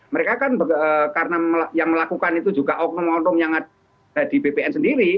mereka kan karena yang melakukan itu juga oknum oknum yang ada di bpn sendiri